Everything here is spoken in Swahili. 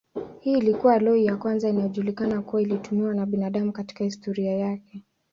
Hii ilikuwa aloi ya kwanza inayojulikana kuwa ilitumiwa na binadamu katika historia yake.